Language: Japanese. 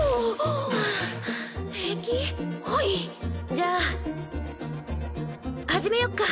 じゃあ始めよっか。